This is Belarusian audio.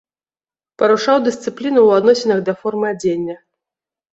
Парушаў дысцыпліну ў адносінах да формы адзення.